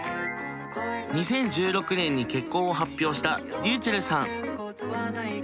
２０１６年に結婚を発表したｒｙｕｃｈｅｌｌさん。